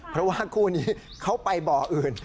เพราะว่าคู่นี้เขาไปบ่ออื่น